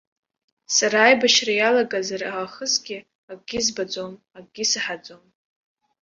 Сара аибашьра иалагазар аахысгьы акгьы збаӡом, акгьы саҳаӡом.